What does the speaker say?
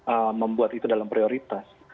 ee membuat itu dalam prioritas